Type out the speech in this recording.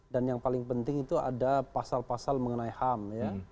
dan yang paling penting itu ada pasal pasal mengenai ham ya